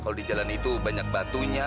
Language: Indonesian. kalau di jalan itu banyak batunya